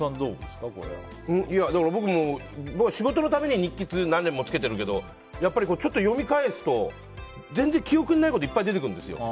僕も仕事のために日記を何年もつけてるけどやっぱり、ちょっと読み返すと全然、記憶にないことがいっぱい出てくるんですよ。